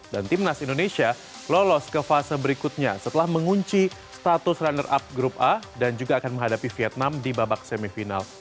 dan timnas indonesia lolos ke fase berikutnya setelah mengunci status runner up grup a dan juga akan menghadapi vietnam di babak semifinal